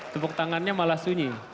tepuk tangannya malah sunyi